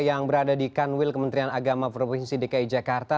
yang berada di kanwil kementerian agama provinsi dki jakarta